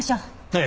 ええ。